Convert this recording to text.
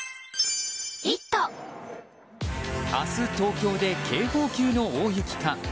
明日、東京で警報級の大雪か。